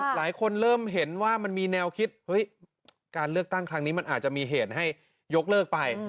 หลายคนเริ่มเห็นว่ามันมีแนวคิดเฮ้ยการเลือกตั้งครั้งนี้มันอาจจะมีเหตุให้ยกเลิกไป